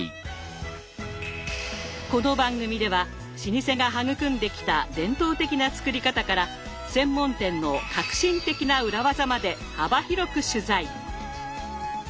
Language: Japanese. この番組では老舗が育んできた伝統的な作り方から専門店の革新的な裏技まで幅広く取材。